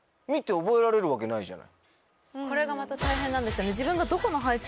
これがまた大変なんですよね。